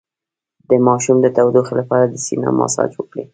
د ماشوم د ټوخي لپاره د سینه مساج وکړئ